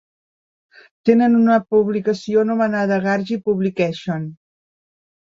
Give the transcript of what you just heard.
Tenen una publicació anomenada "Gargi publication".